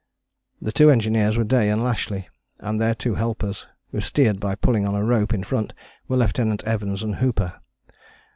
The two engineers were Day and Lashly, and their two helpers, who steered by pulling on a rope in front, were Lieutenant Evans and Hooper.